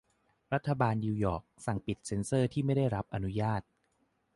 รัฐบาลเมืองนิวยอร์ก สั่งปิดเซ็นเซอร์ที่ไม่ได้รับอนุญาต